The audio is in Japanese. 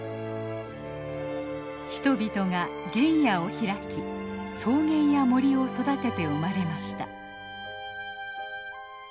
人々が原野を開き草原や森を育てて生まれました。